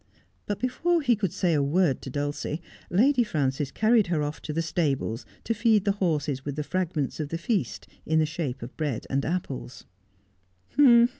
But before he could say a word to Dulcie Lady Frances carried her off to the stables to feed the horses with the fragments of the feast, in the shape of bread and apples.